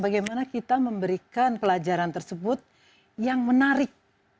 bagaimana kita memberikan pelajaran tersebut yang menarik